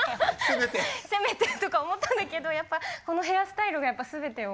せめてとか思ったんだけどやっぱこのヘアスタイルがやっぱすべてを。